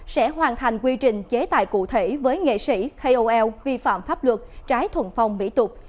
sẽ hoàn thành quy trình chế tài cụ thể với nghệ sĩ kol vi phạm pháp luật trái thuận phong mỹ tục